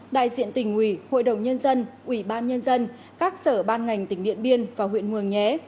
đại diện tỉnh ủy hội đồng nhân dân ủy ban nhân dân các sở ban ngành tỉnh điện biên và huyện mường nhé